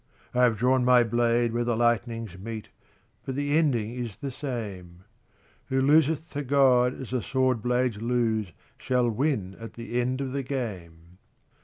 I have drawn my blade where the lightnings meet But the ending is the same: Who loseth to God as the sword blades lose Shall win at the end of the game.